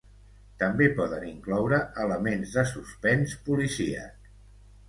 També poden incloure elements de suspens policíac.